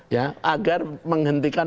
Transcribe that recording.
ya agar menghentikan